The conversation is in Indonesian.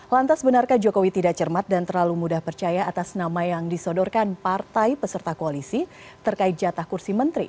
lantas benarkah jokowi tidak cermat dan terlalu mudah percaya atas nama yang disodorkan partai peserta koalisi terkait jatah kursi menteri